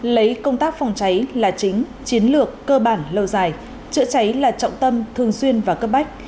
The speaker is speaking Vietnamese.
lấy công tác phòng cháy là chính chiến lược cơ bản lâu dài chữa cháy là trọng tâm thường xuyên và cấp bách